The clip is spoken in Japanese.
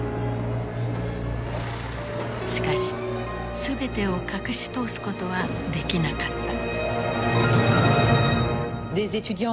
しかし全てを隠し通すことはできなかった。